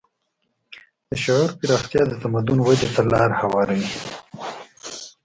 د شعور پراختیا د تمدن ودې ته لاره هواروي.